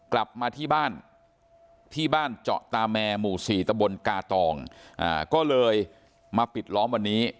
กลับมาที่บ้านที่บ้านเจาะตาแมร์หมู่๔ตะบนกาตองก็เลยมาปิดล้อมวันนี้